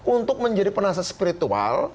untuk menjadi penasihat spiritual